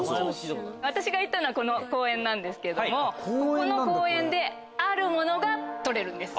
私が行ったのはこの公園なんですけどもこの公園であるものが採れるんです。